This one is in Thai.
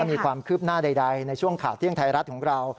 มีความคืบหน้าใดในช่วงข่าวเที่ยงไทยรัฐของเรา